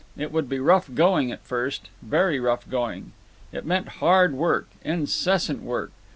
It would be rough going at first, very rough going. It meant hard work, incessant work.